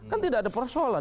kan tidak ada persoalan